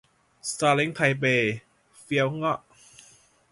ซาเล้งไทเป เฟี๊ยวเงาะ